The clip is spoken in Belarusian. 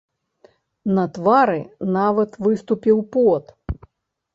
На твары нават выступіў пот.